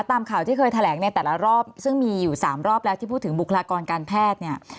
ตามข่าวที่เคยแถลงในแต่ละรอบซึ่งมีอยู่๓รอบแล้วที่พูดถึงบุคลากรการแพทย์เนี่ย